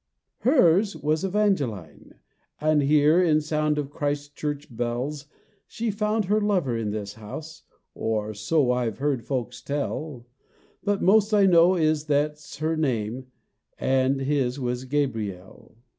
"Hers was Evangeline; and here In sound of Christ Church bells She found her lover in this house, Or so I 've heard folks tell. But most I know is, that's her name, And his was Gabriel.